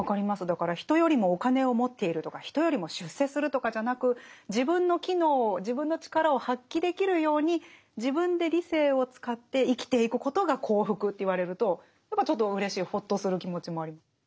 だから人よりもお金を持っているとか人よりも出世するとかじゃなく自分の機能自分の力を発揮できるように自分で理性を使って生きていくことが幸福と言われるとちょっとうれしいほっとする気持ちもあります。